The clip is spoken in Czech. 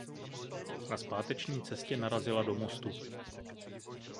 Na zpáteční cestě narazila do mostu.